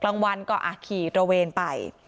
กลางวันก็ขี่ตระเวนไป